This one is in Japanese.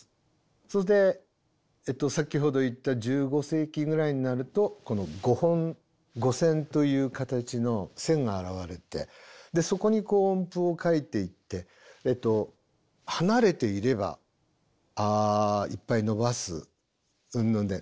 それで先ほど言った１５世紀ぐらいになるとこの５本五線という形の線が現れてでそこにこう音符を書いていって離れていれば「あ」いっぱい伸ばすうんぬんで。